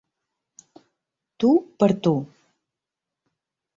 Tu per tu.